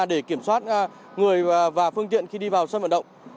để kiểm soát người và phương tiện khi đi vào sân vận động